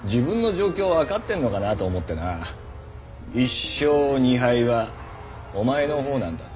１勝２敗はおまえの方なんだぜ。